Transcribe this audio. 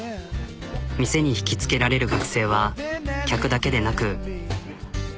店に引きつけられる学生は客だけでなく。